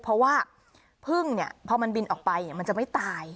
เพราะว่าพึ่งเนี่ยพอมันบินออกไปมันจะไม่ตาย